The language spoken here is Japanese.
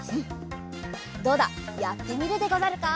どうだやってみるでござるか？